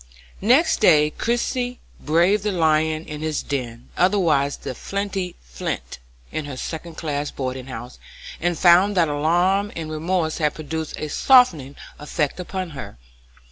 ] Next day Christie braved the lion in his den, otherwise the flinty Flint, in her second class boarding house, and found that alarm and remorse had produced a softening effect upon her.